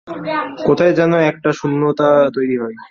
কোথায় যেন একটা শূন্যতা তৈরি হয়।